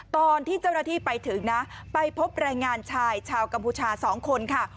ตอนที่เจ้าหน้าที่ไปถึงนะไปพบแรงงานชายชาวกัมพูชา๒คนค่ะ